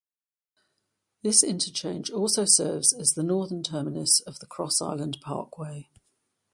This interchange also serves as the northern terminus of the Cross Island Parkway.